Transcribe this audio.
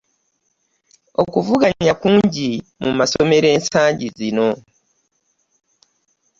okuvuganya kungi mu masomero ensangi zino.